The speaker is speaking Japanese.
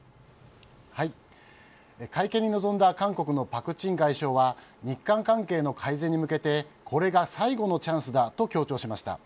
会見に臨んだ韓国のパク・チン外相は日韓関係の改善に向けてこれが最後のチャンスだと強調しました。